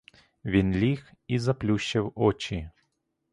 Він ліг і заплющив очі.